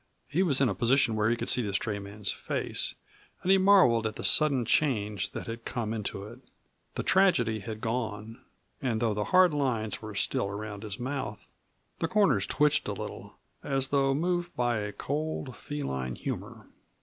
He was in a position where he could see the stray man's face, and he marveled at the sudden change that had come into it. The tragedy had gone, and though the hard lines were still around his mouth, the corners twitched a little, as though moved by a cold, feline humor.